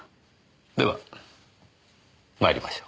ではまいりましょう。